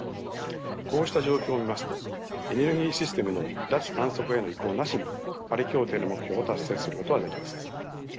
こうした状況を見ますとエネルギーシステムの脱炭素化への移行なしにパリ協定の目標を達成することはできません。